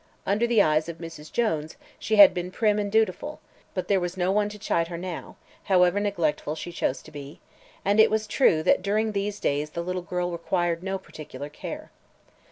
Under the eyes of Mrs. Jones she had been prim and dutiful, but there was no one to chide her now, however neglectful she chose to be, and it was true that during these days the little girl required no particular care.